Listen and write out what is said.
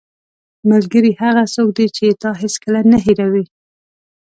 ملګری هغه څوک دی چې تا هیڅکله نه هېروي.